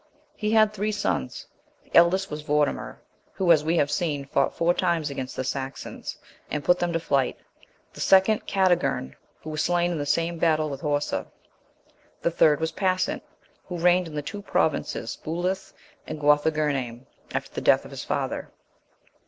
He had three sons: the eldest was Vortimer, who, as we have seen, fought four times against the Saxons, and put them to flight; the second Categirn, who was slain in the same battle with Horsa; the third was Pascent, who reigned in the two provinces Builth and Guorthegirnaim,(1) after the death of his father.